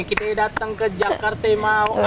kita datang ke jakarta mau